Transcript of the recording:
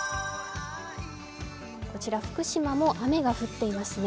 こちら福島も雨が降っていますね。